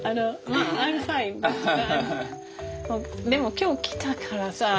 でも今日来たからさ。